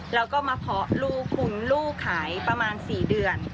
แล้วก็มาเพาะลูกคุณลูกขายประมาณ๔เดือน